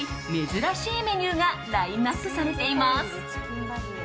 珍しいメニューがラインアップされています。